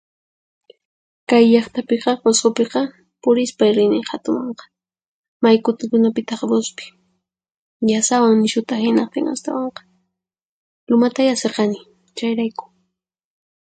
Kay llaqtapiqa, Qusqupiqa, purispay rini qhatumanqa, may kutikunapitaq Wuspi. Llasawan nishuta hinaqtin astawanqa. Lumatayá siqani, chayrayku.